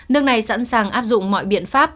nước này sẵn sàng áp dụng mọi biện pháp